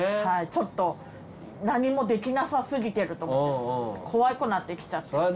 はいちょっと何もできなさ過ぎてると思って怖くなってきちゃって。